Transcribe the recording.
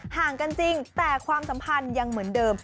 ห่างกันจริงแต่ความสัมพันธ์ยังเหมือนเดิม